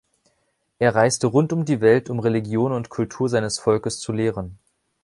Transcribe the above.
Er reiste rund um die Welt, um Religion und Kultur seines Volkes zu lehren.